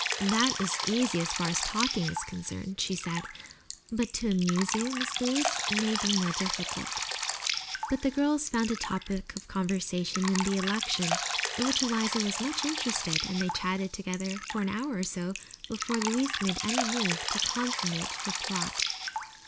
"That is easy, as far as talking is concerned," she said. "But to amuse you, Miss Louise, may be more difficult." But the girls found a topic of conversation in the election, in which Eliza was much interested, and they chatted together for an hour or so before Louise made any move to consummate her plot.